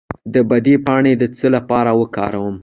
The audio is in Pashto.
د بید پاڼې د څه لپاره وکاروم؟